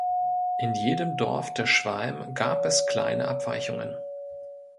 In jedem Dorf der Schwalm gab es kleine Abweichungen.